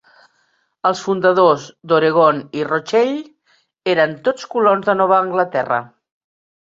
Els fundadors d'Oregon i Rochelle eren tots colons de Nova Anglaterra.